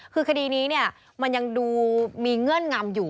คือคดีนี้มันยังดูมีเงื่อนงำอยู่